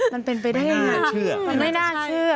มันเป็นไปได้อะไม่น่าเชื่อ